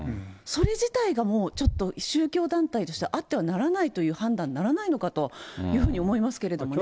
それ自体が、もうちょっと宗教団体としてはあってはならないという判断にならないのかと思いますけれどもね。